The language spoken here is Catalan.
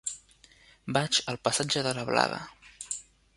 Vaig al passatge de la Blada.